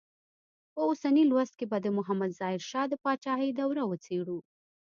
په اوسني لوست کې به د محمد ظاهر شاه د پاچاهۍ دوره وڅېړو.